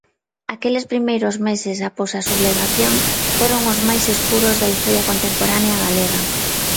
Aqueles primeiros meses após a sublevación foron os máis escuros da historia contemporánea galega.